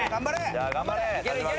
じゃあ頑張れ！